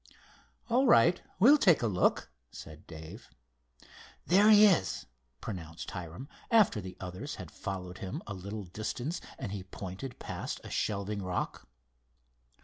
"All right, we'll take a look," said Dave. "There he is," pronounced Hiram, after the others had followed him a little distance, and he pointed past a shelving rock.